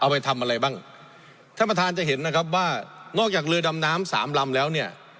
ไปทำอะไรบ้างท่านประธานจะเห็นนะครับว่านอกจากเรือดำน้ำสามลำแล้วเนี่ย